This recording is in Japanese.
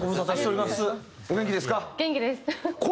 お元気ですか？